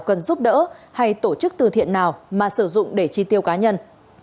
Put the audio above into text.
cần giúp đỡ hay tổ chức từ thiện nào mà sử dụng để chi tiêu cá nhân